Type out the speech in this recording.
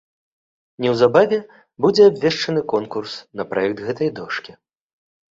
Неўзабаве будзе абвешчаны конкурс на праект гэтай дошкі.